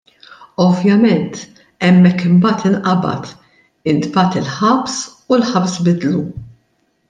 Ovvjament hemmhekk imbagħad inqabad, intbagħat il-ħabs u l-ħabs biddlu.